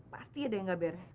pasti ada yang gak beres